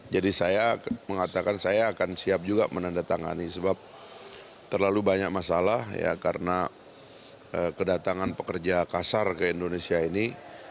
jadi saya mengatakan saya akan siap juga menandatangani sebab terlalu banyak masalah ya karena kedatangan pekerja kasar ke indonesia ini